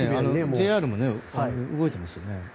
ＪＲも動いてますよね。